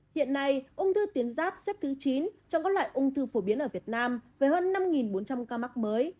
hiện nay ung thư tuyến giáp xếp thứ chín trong các loại ung thư phổ biến ở việt nam với hơn năm bốn trăm linh ca mắc mới